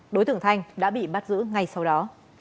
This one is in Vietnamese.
đối tượng thanh đã bị bắt giữ ngay sau đó